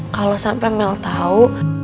kalau sampai mel tau